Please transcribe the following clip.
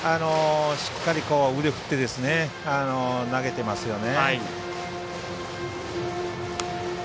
しっかり腕振って投げてますよね。